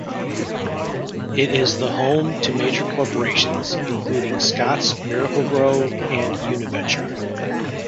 It is the home to major corporations, including Scotts Miracle-Gro and Univenture.